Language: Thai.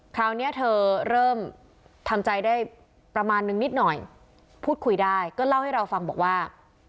คราวนี้เธอเริ่มทำใจได้ประมาณนึงนิดหน่อยพูดคุยได้ก็เล่าให้เราฟังบอกว่า